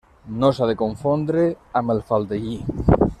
No s'ha de confondre amb el faldellí.